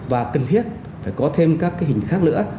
và cần thiết phải có thêm các cái hình khác nữa